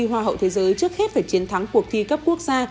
hoa hậu thế giới trước hết phải chiến thắng cuộc thi cấp quốc gia